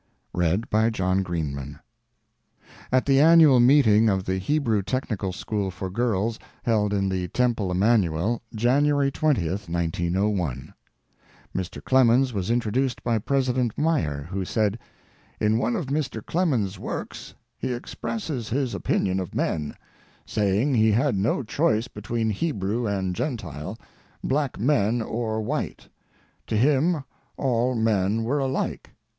VOTES FOR WOMEN AT THE ANNUAL MEETING OF THE HEBREW TECHNICAL SCHOOL FOR GIRLS, HELD IN THE TEMPLE EMMANUEL, JANUARY 20, 1901 Mr. Clemens was introduced by President Meyer, who said: "In one of Mr. Clemens's works he expressed his opinion of men, saying he had no choice between Hebrew and Gentile, black men or white; to him all men were alike.